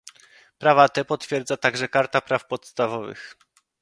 Prawa te potwierdza także Karta praw podstawowych